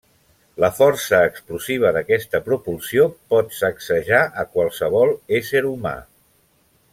La força explosiva d'aquesta propulsió pot sacsejar a qualsevol ésser humà.